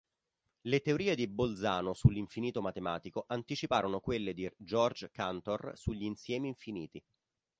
Le teorie di Bolzano sull'infinito matematico anticiparono quelle di Georg Cantor sugli insiemi infiniti.